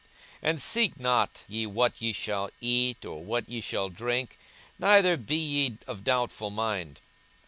42:012:029 And seek not ye what ye shall eat, or what ye shall drink, neither be ye of doubtful mind.